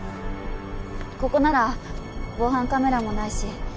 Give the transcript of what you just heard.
ここなら防犯カメラもないし